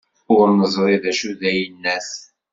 Ur nezṛi acu i d ayennat.